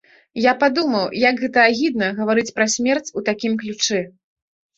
Я падумаў, як гэта агідна гаварыць пра смерць у такім ключы.